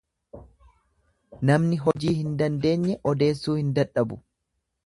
Namni hojii hin dandeenye odeessuu hin dadhabu.